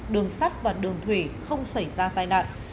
đường sắt và đường thủy không xảy ra tai nạn